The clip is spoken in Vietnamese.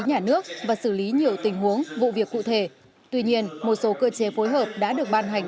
nhà nước và xử lý nhiều tình huống vụ việc cụ thể tuy nhiên một số cơ chế phối hợp đã được ban hành